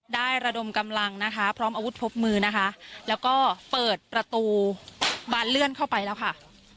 ระดมกำลังนะคะพร้อมอาวุธครบมือนะคะแล้วก็เปิดประตูบานเลื่อนเข้าไปแล้วค่ะ